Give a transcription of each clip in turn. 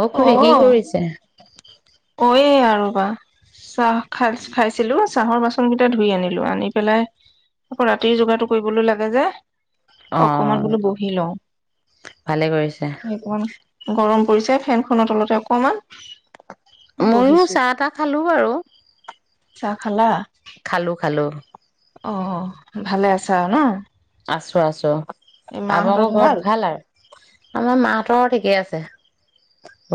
অ', খুুৰী, কি কৰিছে? কয়ে আৰু বা চাহ খাইলছ-খাইছিলোঁ, চাহৰ বাচন কেইটা ধুই আনিলোঁ, আনি পেলাই আকৌ ৰাতিৰ যোগাৰটো কৰিবলৈ লাগে যে। অ অকমান বোলো বহি লওঁ। ভালে কৰিছে। এই অকমান গৰম পৰিছে ফেন খনৰ তলতে অকমান। ময়ো বহিছো চাহ তাহ খালোঁ আৰু। চাহ খালা? খালোঁ, খালোঁ। অ', ভালে আছা আৰু ন? আছোঁ, আছোঁ। এই মাহঁতৰ আপোনালোকৰ ঘৰত ভাল আৰু। আমাৰ মাহঁতৰো ঠিকেই আছে।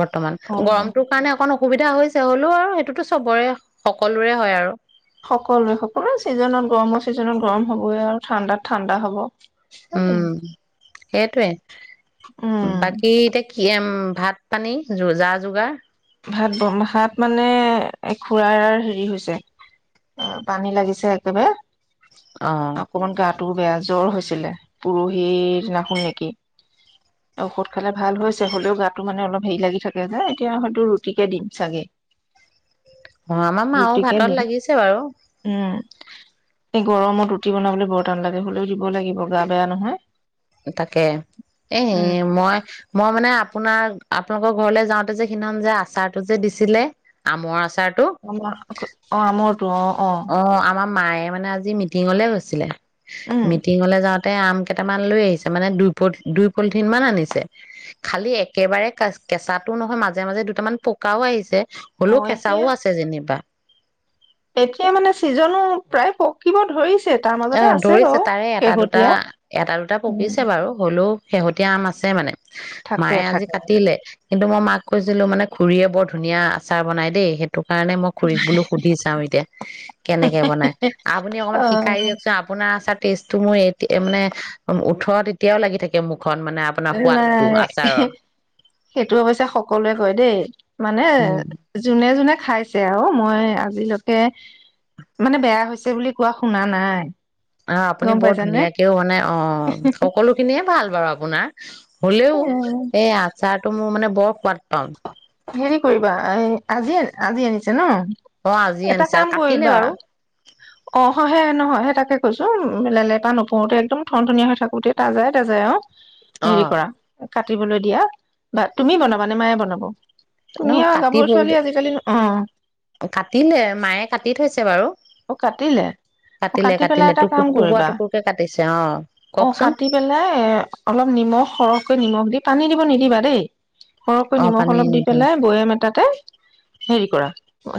বৰ্তমান, অ', গৰমটোৰ কাৰণে অকন অসুবিধা হৈছে, হ'লেও আৰু সেইটোতো চবৰে, সকলোৰে হয় আৰু। সকলোৱে, সকলো ছিজনত গৰমৰ ছিজনত গৰম হ'বই আৰু ঠাণ্ডাত ঠাণ্ডা হ'ব। উম সেইটোৱে, উম, বাকী এতিয়া কিহেম ভাত পানী, যো, যা-যোগাৰ ভাত বম, ভাত মানে এ খুৰাৰাৰ হেৰি হৈছে, আ পানী লাগিছে একেবাৰে। অ অকমান গাট তোৰ গা জ্বৰ হৈছিলে, পৰহিৰ দিনাখন নেকি? ঔষধ খালে ভাল হৈছে। হ'লেও গাটো মানে অলপ হেৰি লাগি থাকে যে। এতিয়া হয় তোৰ ৰুটিকে দিম, চাগে। হ, আমাৰ মাও ৰুটিকে ভাতত দিম লাগিছে বাৰু। উম এই গৰমত ৰুটি বনাবলৈ বৰ টান লাগে। হ'লেও দিব লাগিব, গা বেয়া নহয়। তাকে, এ উম মই, মই মানে আপোনাৰ, আপোন লোকৰ ঘৰলে যাওঁতে যে, সিদনাখন যে, আচাৰ টো যে দিছিলে, আমৰ আচা [unintelligible] অ', আমাৰ মায়ে মানে আজি আজি মিটিংলে গৈছিলে। উম মিটিংলে যাওঁ তাই আম কেটামান লৈ আহিছে, মানে দুই পত, দুই পলিথিন মান আনিছে। খালী একেবাৰে কেচ, কেঁচাটো নহয়, মাজে মাজে দুটামান পকাও আহিছে। অ হ'লেও কেঁচাও এতিয়া আছে, যেনিবা। এতিয়া মানে ছিজনো, প্ৰায় পকিব ধৰিছে। তাৰ মাজতে অ' আছে ধৰিছে, বাৰু তাৰে এটা দুটা, শেহতীয়া এটা দুটা উম পকিছে বাৰু। হ'লেও শেহতীয়া আম আছে মানে। থাকে মায়ে আজি থাকে কাটিলে কিন্তু মই মাক কৈছিলো মানে খুৰীয়ে বৰ ধুনীয়া আচাৰ বনাই দেই। সে টো কাৰণে মই খুৰীক বোলো সুধি চাও এতিয়া, কেনেকে বনাই আপুনি অকনমান অ শিক খায় দিয়ক চোন আপোনাৰ আচাত টেষ্টটো মোৰ এতি মানে ওঁঠত এতিয়াও লাগি থাকে মূ নাই, সেইটো অৱশ্যে সকলোৱে কয় দেই। মানে উম জোনে জোনে খাইছে আৰু মই আজিলৈকে, মানে বেয়া হৈছে বুলি কোৱা শুনা নাই। অ', আপুনি গম বৰ পাইছানে ধুনীয়াকেও অ', সকলো খিনিয়ে ভাল বাৰু আপোনাৰ। হ'লেও এ এই আচাৰটো মোৰ মানে বৰ সোৱাদ পাওঁ। হেৰি কৰিবা এ, আজি, আজি আনিছে ন'? অ আজি এটা আনিছা কাম কাটিলে কৰিবা বাৰু অ', সহে ন' হয় সেই তাকে কৈছোঁ লে-লেতা নপৰোতে একদম ঠন ঠনিয়া হৈ থাকোতে, তাজাই তাজাই আৰু। অ হেৰি কৰা কাটিবলৈ দিয়া বা তুমি বনাবা নে মায়ে বনাব? তুমি ন' আৰু কাটি গাভৰু গ'ল ছোৱালী গে, আজিকালি অ কাটিলে মায়ে কাটি থৈছে। ছে বাৰু। অ' কাটিলে অ' কাটিলে কাটি পেলাই কাটিলে এটা টুকুৰ কাম টুকুৰা কৰিবা, টুকুৰকে কাটিছে অ অ' কওকচোন কাটি পেলাই অলপ নিমখ সৰহকৈ নিমখ দি পানী দি অ' নিদিবা দেই। সৰহকৈ অ নিমখ পানী অলপ দি নিদো পেলাই বৈয়াম তাতে হেৰি কৰা,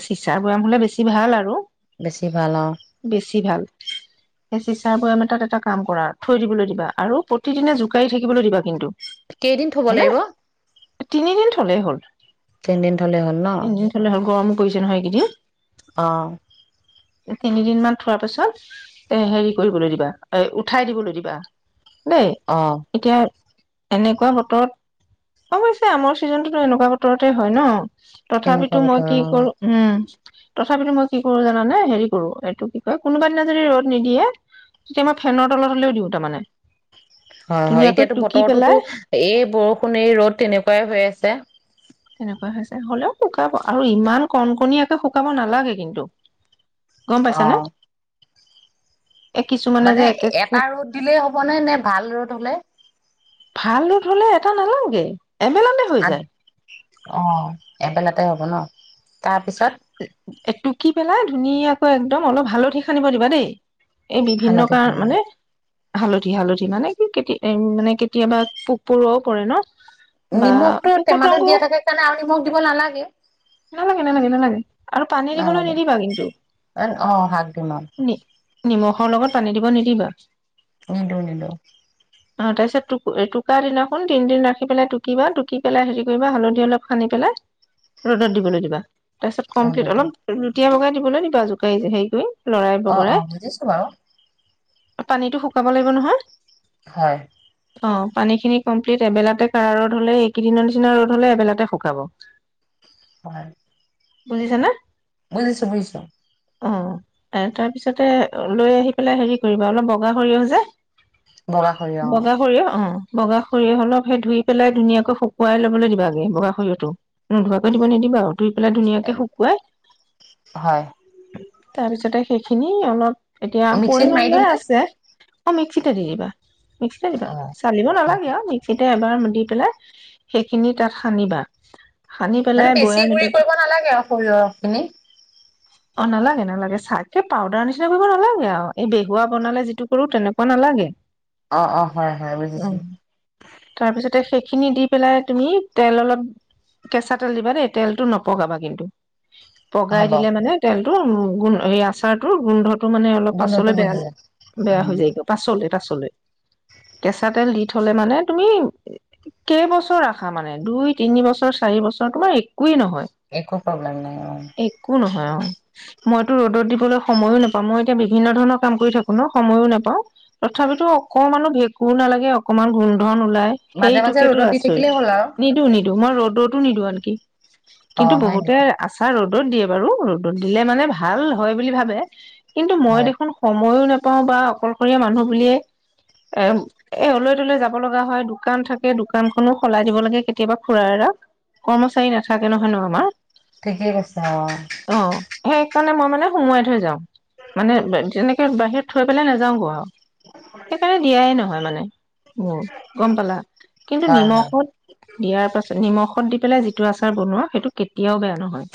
চিচাঁৰ বৈয়াম হ'লে বেছি ভাল আৰু। বেছি ভাল অ'। বেছি ভাল সেই চিচাঁৰ বৈয়াম এটাত এটা কাম কৰা, থৈ দিবলৈ দিবা আৰু প্ৰতিদিনে জোকাৰি থাকিবলৈ দিবা কিন্তু। কেইদিন থ'ব মানে লাগিব? তিনিদিন থ'লেই হ'ল। তিনিদিন থ'লে হ'ল ন'? প্ৰয়োজন হয় এইকেইদিন। অ'। তিনিদিনমান থোৱাৰ পিছত এ হেৰি কৰিবলৈ দিবা, এ উঠাই দিবলৈ দিবা। দেই অ এতিয়া এনেকুৱা বতৰত, অৱশ্যে আমৰ ছিজনতটো এনেকুৱা বতৰতে হয় ন'। এনেকুৱা তথাপিতো মই বতৰ অ কি কৰো উম, তথাপিতো মই কি কৰো জানানে? হেৰি কৰো, এইটো কি কয়, কোনোবা দিনা যদি ৰ'দ নিদিয়ে, তেতিয়া মই ফেনৰ তলত হলেও দিওঁ তাৰমানে। হয়, হয়, ধুনীয়াকৈ এতিয়াতো টুকি বতৰতোতো পেলাই এই বৰষুণ এই ৰ'দ তেনেকুৱাই হৈ আছে। তেনেকুৱা হৈছে হলেও শুকাব আৰু ইমান কণ কণীয়াকে শুকাব নালাগে কিন্তু। গম অ পাইছানে। এ কিছুমানে যে মানে একে খুব এটা ৰ'দ দিলেই হ'বনে, নে ভাল ৰ'দ হ'লে? ত' নলওঁগে। আন অ'। এবেলাতে হ'ব ন', তাৰপিছত? টুকি পেলাই ধুনীয়াকৈ একদম, অলপ হালধি সানিব দিবা দেই। এই বিভিন্ন হালধি কাৰ সানি মানে হালধি, হালধি, মানে কি, কেতি-উম মানে কেতিয়াবা পোক পৰুৱাও পৰে ন'। বা নিমখটো পোক টেমাতোত পতংগ দিয়া থাকে কাৰণে, আৰু নিমখ দিব নালাগে। নালাগে নালাগে নালাগে আৰু পানী দিবলৈ নালাগে নিদিবা কিন্তু, অ শাক দিম আৰু নি-নিমখৰ লগত পানি দিব নিদিবা। নিদিওঁ নিদিওঁ। অ', তাৰপিছত টু-টুকাৰ দিনাখন তিনদিন ৰাখি পেলাই টুকিবা, টুকি পেলাই হেৰি কৰিবা হালধি অলপ সানি পেলাই, ৰ'দত দিবলৈ দিবা। কমপ্লিট হালধি অলপ [unintelligible] তেওঁলোকে দিবলে দিবা জোকাৰি হেৰি কৰি। লৰাই অ, বগৰাই অ' বুজিছো বাৰু। পানীটো শুকাব লাগিব নহয়? হয়। অ', পানীখিনি কমপ্লিট এবেলাতে কাৰা ৰ'দ হ'লে এইকেইদিনৰ নিচিনা ৰ'দ হ'লে এবেলাতে শুকাব। হয়। শুনিছা নে? বুজিছো, বুজিছো। অ' এ তাৰপিছতে লৈ আহি পেলাই হেৰি কৰিবা অলপ বগা সৰিয়হ যে বগা সৰিয়হ অ বগা সৰিয়হ অ' বগা সৰিয়হ অলপ সেই ধুই পেলাই ধুনীয়াকৈ শুকুৱাই লবলৈ দিবা আগে। বগা সৰিয়হটো নোধুোৱাকৈ দিব নিদিবা আৰু ধুই পেলাই এ শুকুৱাই হয় তাৰপিছতে সেইখিনি অলপ এতিয়া মিক্সিত পৰিমান মাৰি দিম লৈ নে আছে। অ' মিক্সিতে দি দিবা। মিক্সিতে দিবা অ চালিব অ নালাগে আৰু মিক্সিত। তে এবাৰ দি পেলাই সেইখিনি তাত সানিবা। সানি মানে পেলাই বেছি বৈয়াম গুৰি এটাত কৰিব নালাগে আৰু। সৰিয়হ খিনি অ' নালাগে, নালাগে [unintelligible] পাউদাৰ নিচিনা কৰিব নালাগে আৰু এই বেহুৱা বনালে যিটো কৰো তেনেকুৱা নালাগে। অ', অ', হয় হয় বুজিছোঁ। তে সেইখিনি দি পেলাই তুমি তেল অলপ কেঁচা তেল দিবা দেই, তেলটো নপ পগাবা কিন্তু। পগাই হ'ব দিলে মানে তেলটো উম, গোন এই আচাৰটোৰ গোন্ধত টো মানে অলপ গোন্ধটো পাছলে বেয়া, বুজিছো বেয়া হৈ উম যায়গে পাছলে। [unintelligible] চলে কেঁচা তেল দি থলে মানে তুমি, কেইবছৰ ৰাখা মানে দুই, তিনি বছৰ, চাৰি বছৰ তোমাৰ একোৱে নহয়। একো প্ৰব্লেম নাই, একো নহয় অ'। অ মইতো ৰ'দত দিবলৈ সময়ো নাপাওঁ মই এতিয়া বিভিন্ন ধৰণৰ কাম কৰি থাকো ন' সময়ো নাপাওঁ। তথাপিতো অকমান [inaudible] একো নালাগে অকনমান গোন্ধ [unintelligible] ওলাই মাজে মাজে সেইটোকেতো ৰ'দত দি আচৰিত, থাকিলেই হ'ল আৰু নিদো নিদো মই ৰ'দত [unintelligible] নিদো আনকি। অ কিন্তু হয় বহুতে নেকি আচাৰ ৰ'দ ৰ'দ দিয়ে বাৰু, ৰ'দত দিলে মানে ভাল হয় বুলি ভাৱে। কিন্তু মই হয় দেখোন সময়ো নাপ পাও বা অকলশৰীয়া মানুহ বুলিয়ে এ এ উলে তলৈ যাব লগা হয় দোকান থাকে দোকান খনো সলাই দিব লাগে কেতিয়াবা খুুৰাৰ এৰাক কৰ্মচাৰী নাথাকে নহয়! [inaudible] ঠিকেই কৈছা অ' তণে মই মানে সুমোৱাই থৈ যাওঁ মানে তেনেকে বাহিৰত থৈ পেলাই নাযাওঁ গৌ আৰু সেইকাৰণে দিয়াই নহয়, মানে উ গম পালা? কিন্তু, হয় হয় নিমখত দিয়াৰ পাছত নিমখত দি পেলাই যিটো আচাৰ বনোৱা সেইটো কেতিয়াও বেয়া নহয়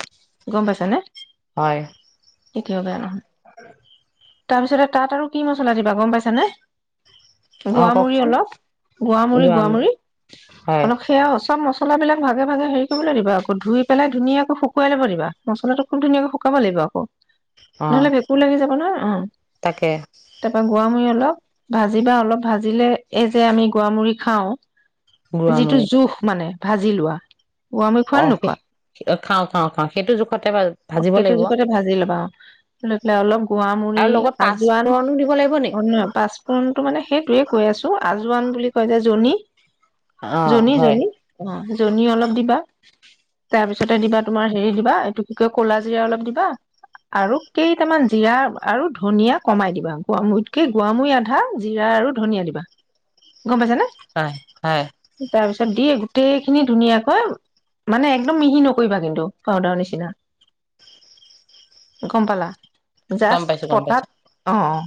গম পাইছা নে? হয় কেতিয়াও বেয়া নহয়। তাৰপিছতে তাত আৰু কি মছলা দিবা গ'ম পাইছানে? অ গোৱামু় কওকচোন অলপ গোৱামু় গুড়ামুৰি গোৱামু় হয় অলপ সেয়া চব মছলা। মছলাবিলাক ভাগে ভাগে হেৰি কৰিবলৈ দিবা আকৌ ধুই পেলাই ধুনাকে শুকুৱাই ল দিবা মছলাটো খুব ধুনাকৈ শুকাব লাগিব আক। অ নহ'লে ভেঁকুৰ লাগি যাব নহয় অ' তাকে তাৰপৰা গোৱামুৰি অলপ ভাজিবা অলপ ভাজিলে এই যে আমি গোৱামূৰি খাওঁ যিটো গুড়ামুৰি জোখ মানে ভাজি লোৱা গুৱামুৰী খোৱান নোখোৱা? অ'খাওঁ, খাওঁ, খাওঁ, সেইটো জোখ সতে ভাজিব সেইটো লাগিব। জোখতে ভাজি ল'বা লৈ পেলে অলপ আৰু গুৱামুৰি, লগত আজোৱান, পাঁচফোৰণো দিব লাগিব নি? অ' পাঁচফোড়ন টো মানে সেইটোৱে কৈ আছোঁ জোৱান বুলি কয় যে জনী? অ' জনী হয়। জনী অ',। জন অলপ দিবা তাৰপিছতে দিবা তুমাৰ হেৰি দিবা এইটো কি কয় কলা জিৰা অলপ দিবা আৰু কেইটামান জিৰা, আৰু ধনিয়া, কমাই দিবা গুতকেই, গোৱামুৰি আধা, জিৰা, আৰু ধনিয়া দিবা। গম পাইছ নে? হয়, হয়, তাৰপিছত তাৰপিছত দিয়ে গোটেই খিনি ধুনীয়াকৈ মানে একদম মিহি নকৰিবা কিন্তু পাউদাৰ নিচিনা। গম পালা? গম জাষ্ট পাইছো, গম পতাত পাইছো। অ', অ',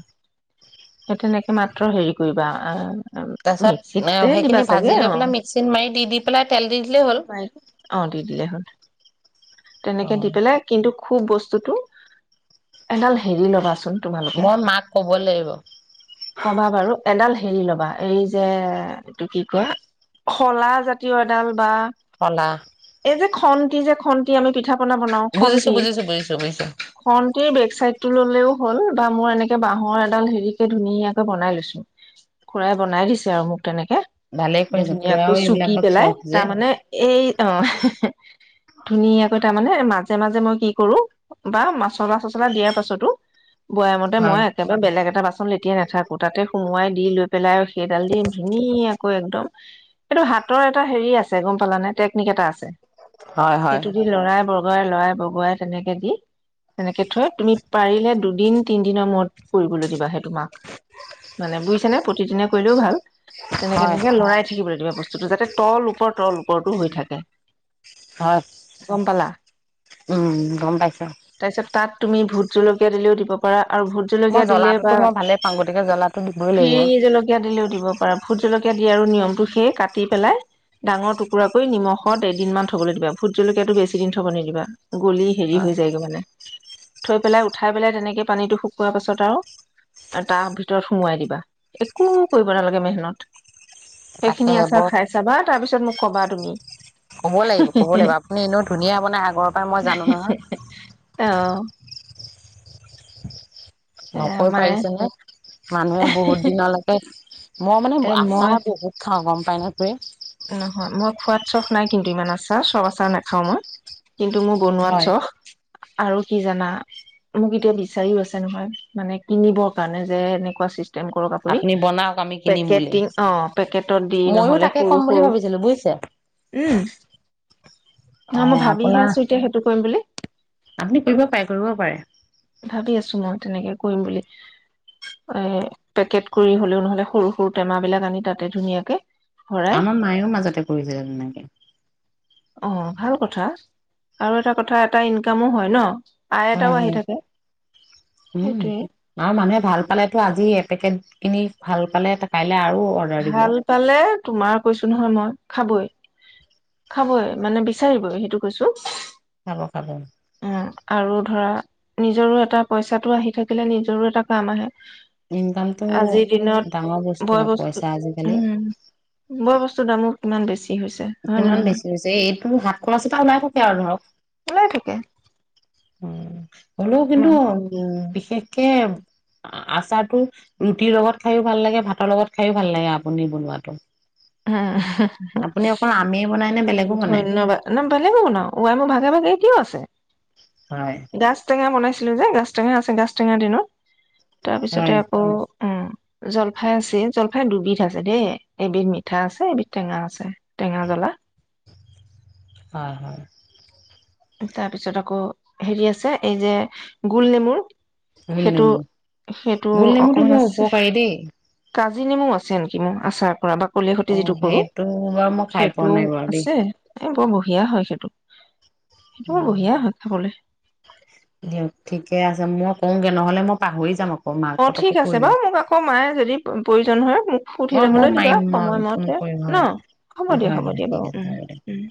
সেই তেনেকে মাত্ৰ হেৰি কৰিবা। আ। তাৰপিছত এ সেইখিনি ভাজি লৈ পেলাই মিক্সিত মাৰি দি দি পেলাই তেল দি দিলেই হ'ল? অ দি দিলে হ'ল দি অ' পেলাই কিন্তু খুব বস্তুতটো এডাল হেৰি ল'বাচোন। তোমালোকে মই মাক ক'ব লাগিব। কবা বাৰু এডাল হেৰি ল'বা এই যে এইটো কি কয় শলা জাতীয় এডাল বা শলা। এই যে খন্তি যে খন্তি আমি পিঠা বনাও বুজিছো, খন্তি বুজিছো, বুজিছো, বুজিছো। খন্তি বেক চাইদ টো ললেও হ'ল বা মোৰ এনেকে বাহৰ এডাল হেৰি কে ধুনীয়াকে বনাই লৈছো খুৰাই বনাই দিছে আৰু মোক তেনেক কে ভালেই কৰিছে খুৰাও ধুনীয়াকৈ চুকি এইবিলাকত পেলাই চখ যে তাৰমানে এই অ' ধুনীয়াকৈ তাৰ মানে মাজে মাজে মই কি কৰো বা মাচলা চচলা দিয়াৰ পাছতো বয়ামতে মই হয়। একেবাৰে বেলেগ এটা বাচন লেটিয়াই নাথাকো তাতে সোমোৱাই দি লৈ পেলাই আৰু সেইডাল দি ধুনীয়াকৈ একদম এইটো হাতৰ এটা হেৰি আছে গম পালা নে টেকনিক এটা আছে। হয় হয়। বগৱাই লৰাই বগুৱাই তেনেকে দি তেনেকে থয় তুমি পাৰিলে দুদিন তিনদিনৰ মূৰত কৰিবলৈ দিবা হেটো মাক মানে বুইছা নে প্ৰতিদিনে কৰিলেও ভাল। তেনেকে হয়, তেনেকে লৰাই থাকিবলৈ দিবা বস্তুতটো যাতে তল ওপৰ তল ওপ ওপৰতটো হৈ থাকে। হয়। গম পালা। উম গম পাইছা। তাৰপিছত তাত তুমি ভোট জলকীয়া দিলেও দিব পাৰা। আৰু ভোট মই জলকীয়া দিলে জ্বলাটোতো বা মই ভালে পাওঁ গতিকে জ্বলাটো দিবই লাগিব। ফিৰিঙি জলকীয়া দিলেও দিব পাৰা। ভোট জলকীয়া দিয়াৰ আৰু নিয়মটো সেই কাটি পেলাই ডাঙৰ টুকুৰা কৰি নিমখত এদিনমান থ'বলৈ দিবা ভোট জলকীয়াটো বেছি দিন থব নিদিবা। গলি হেৰি হয়, হৈ যায়গৈ মানে। থৈ পেলাই উঠাই পেলাই তেনেকে পানীটো শুকোৱাৰ পাছত আৰু তাৰ ভিতৰত সুমোৱাই দিবা একো কৰিব নালাগে মেহনত। তাকে সেইখিনি আছাৰ বৰ খাই চাবা তাৰপিছত মোক ক'বা তুমি। ক'ব লাগিব ক'ব লাগিব আপ আপুনি এনেও ধুনীয়া বনাই আগৰ পৰাই মই জানো নহয়। অ'। এ নকৈ মানে পাৰিছে নে। মানুহে বহুত দিনলৈকে মই মানে এ মই আচামা বহুত খাওঁ গম [unintelligible] নহয় মই খোৱাত চখ নাই কিন্তু ইমান আচাৰ চব আচাৰ নাখাওঁ মই। কিন্তু মোৰ বনোৱাত হয়। চখ। আৰু কি জানা মোক এতিয়া বিচাৰিও আছে নহয় মানে কিনিবৰ কাৰণে যে এনেকুৱা চিচ টেম কৰক আপুনি, বনাওক আমি কিনিম বুলি পেকেটিং পেকেটত দি মইয়ো নহলে তাকে ক'ম সৰু বুলি সৰু ভাবছিলো বুইছে উম নহ মই অ' ভাবিহে আপোনাৰ আছো এতিয়া সেইটো কৰিম বুলি আপুনি কৰিব পাৰে কৰিব পাৰে। ভাবি আছো মই তেনেকে কৰিম বুলি এ পেকেট কৰি হলেও নহলে সৰু সৰু টেমাবিলাক আনি তাতে ধুনীয়াকে ভৰাই আমাৰ মায়েও মাজতে কৰিছিলে তেনেকে। অ, ভাল কথা আৰু এটা কথা এটা ইনকামো হয় ন। আয় হয় এটাও আহি হয়। থাকে উম, সেইটোৱে আৰু মানুহে ভাল পালেতো আজি এপেকেট এনেই ভাল পালে এটা [unintelligible] আৰু অৰ্ডাৰ দিব ভাল পালে তোমাৰ কৈছো নহয় মই খাবই খাবই মানে বিচাৰিবই সেইটো কৈছো খাব খাব উম আৰু ধৰা নিজৰো এটা পইচাটো আহি থাকিলে নিজৰো এটা কাম আহে। ইনকামতটো আজিৰ দিনত ডাঙৰ বস্তু আৰু পইচা আজিকালি উম, বৰ বস্তুৰ দাম বোৰ। ইমান বেছি হৈছে হয় নে কিমান নহয় বেছি হৈছে এইটো হাত খৰচ এটা ওলাই থাকে আৰু ধৰক ওলাই থাকে উম। হ'লেও কিন্তু উম বিশেষ বিশেষকে আচাৰটো ৰুটিৰ লগত খাইয়ো ভাল লাগে, ভাতৰ লগত খাইয়ো ভাল লাগে আপুনি বনোৱাটো। হম আপুনি অকল আমেই বনাই নে বেলেগো [unintelligible] বনাই? ধন্যবাদ ন ভালে বনাও মোৰ ভাগে ভাগে এতিয়াও আছে হয়। গাছ টেঙা মানে খাইছিলো যে গাছ টেঙা আছে গাছ টেঙাৰ দিনত, তাৰপিছতে হয়, আকৌ, উম জলফাই আছে জলফাই দুবিধ আছে দেই এবিধ মিঠা আছে এবিধ টেঙা আছে টেঙা জ্বলা হয় হয়! তাৰপিছত আকৌ হেৰি আছে এই যে গুলনেমুৰ। গুলনেমু গুলনেমুটো অকমান বৰ আছে উপকাৰী দেই কাজি নেমু আছে নেকি মোৰ আচাৰ কৰা বা কলে সতে অ', যিটো কৰো সেইটো বাৰু মই খাই পোৱা সেইটো নাই বাৰু দেই। আছে এ বৰ বহুত দিয়া হয় সেইটো, সেইটো বৰ বঢ়িয়া হয় খাবলে দিয়ক ঠিকে আছে মই কওঁগে নহলে মই পাহৰি যাম আকৌ মাক অ পতককে ঠিক কৈ আছে দিওঁ। বাৰু মোক আকৌ মায়ে যদি প্ৰয়োজন হয় মোক সুধি মই, মই লবলৈ দিবা মাৰিম মই ফোন সময়মতে কৰিম হয়, ন' হ'ব হয়, দিয়া হয়, হ'ব দিয়া ঠিক বাৰু আছে উম্ হ'ব দিয়ক। উম!